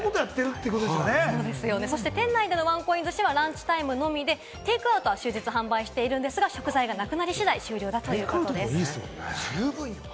店内でのワンコイン寿司はランチのみで、テイクアウトは終日販売しているんですが、食材がなくなり次第終了だということです。